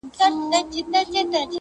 آسمانه اوس خو اهریمن د قهر!!